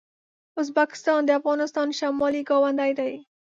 ازبکستان د افغانستان شمالي ګاونډی دی.